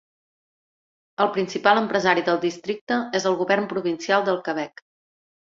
El principal empresari del districte és el govern provincial del Quebec.